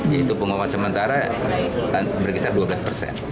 yaitu pengumuman sementara berkisar dua belas persen